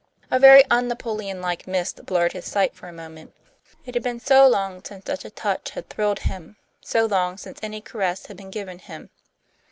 A very un Napoleonlike mist blurred his sight for a moment. It had been so long since such a touch had thrilled him, so long since any caress had been given him.